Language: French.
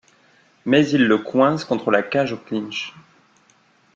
Mais il le coince contre la cage au clinch.